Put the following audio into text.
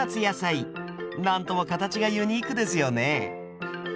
何とも形がユニークですよね。